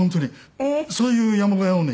そういう山小屋をね